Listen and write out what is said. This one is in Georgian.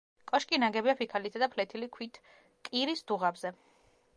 კოშკი ნაგებია ფიქალითა და ფლეთილი ქვით კირის დუღაბზე.